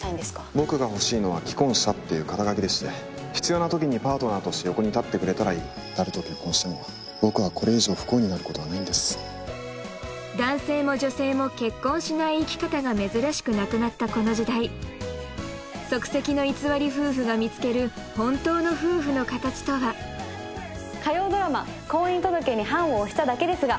僕が欲しいのは既婚者っていう肩書きでして必要なときにパートナーとして横に立ってくれたらいい誰と結婚しても僕はこれ以上不幸になることはないんです男性も女性も結婚しない生き方が珍しくなくなったこの時代即席の偽り夫婦が見つける火曜ドラマ「婚姻届に判を捺しただけですが」